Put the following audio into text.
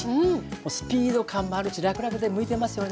もうスピード感もあるしらくらくで向いてますよね。